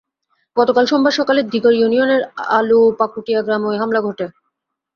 গতকাল সোমবার সকালে দিগড় ইউনিয়নের আলুপাকুটিয়া গ্রামে ওই হামলার ঘটনা ঘটে।